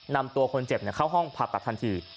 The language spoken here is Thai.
นำตัวคนเจ็บเข้าห้องผ่าตัดทันที